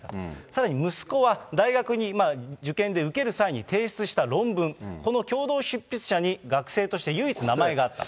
さらに息子は大学に受験で受ける際に提出した論文、この共同執筆者に学生として唯一名前があった。